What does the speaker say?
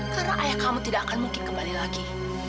karena ayah kamu tidak akan mungkin kembali lagi